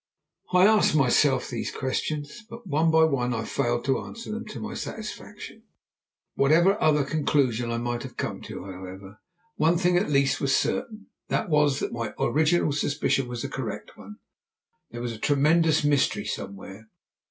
I asked myself these questions, but one by one I failed to answer them to my satisfaction. Whatever other conclusion I might have come to, however, one thing at least was certain: that was, that my original supposition was a correct one. There was a tremendous mystery somewhere.